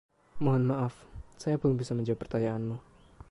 Mohon maaf, saya belum bisa menjawab pertanyaanmu.